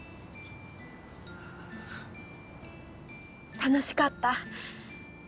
楽しかった。